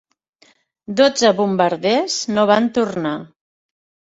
Dotze bombarders no van tornar.